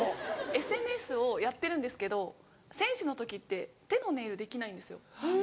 ＳＮＳをやってるんですけど選手の時って手のネイルできないんですよ。